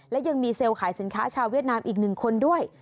และยังมีเซลล์ขายสินค้าชาวเวียดนามอีก๑คนด้วย